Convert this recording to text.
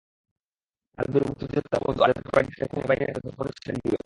আরেক বীর মুক্তিযোদ্ধা বন্ধু আজাদের বাড়িতে পাকিস্তানি বাহিনীর হাতে ধরা পড়েছিলেন জুয়েল।